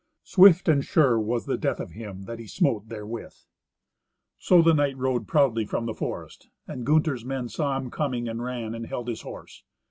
Swift and sure was the death of him that he smote therewith. So the knight rode proudly from the forest, and Gunther's men saw him coming, and ran and held his horse.